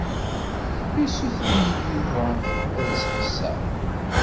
Yessuter-iyi-d Yuba ad as-ḥesseɣ.